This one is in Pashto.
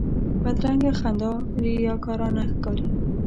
بدرنګه خندا ریاکارانه ښکاري